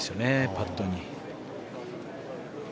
パットに。